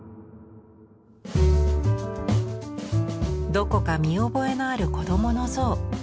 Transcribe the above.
どこか見覚えのある子どもの象。